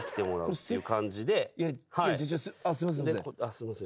すいません。